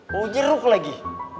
bau jeruk lagi